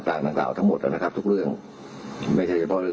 มีศาสตราจารย์พิเศษวิชามหาคุณเป็นประเทศด้านกรวมความวิทยาลัยธรม